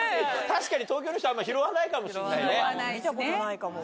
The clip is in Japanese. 確かに東京の人あんまり拾わないかもしれないね。